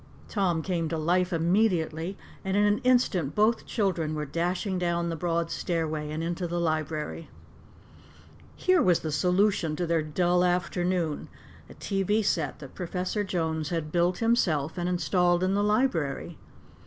Tom came to life immediately, and in an instant both children were dashing down the broad stairway and into the library. Here was the solution to their dull afternoon a television set that Professor Jones had built himself and installed in the library.